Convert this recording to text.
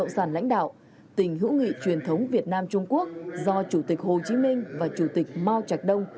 sản lãnh đạo tình hữu nghị truyền thống việt nam trung quốc do chủ tịch hồ chí minh và chủ tịch mao trạch đông